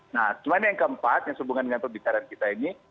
nah selain yang keempat yang sehubungan dengan pembicaraan kita ini